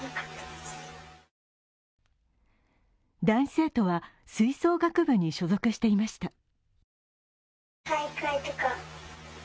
男子生徒は吹奏楽部に所属していました。